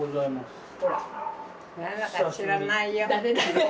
誰だか知らないよ。